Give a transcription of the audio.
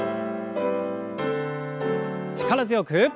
力強く。